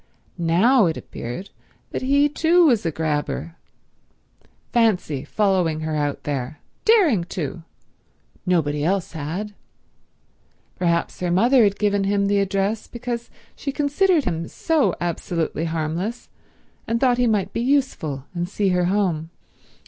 Now it appeared that he too was a grabber. Fancy following her out there—daring to. Nobody else had. Perhaps her mother had given him the address because she considered him so absolutely harmless, and thought he might be useful and see her home.